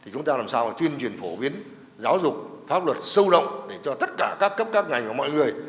chúng ta làm sao tuyên truyền phổ biến giáo dục pháp luật sâu rộng để cho tất cả các cấp các ngành và mọi người